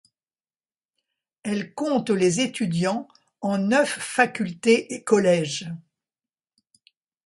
Elle compte étudiants en neuf facultés et collèges.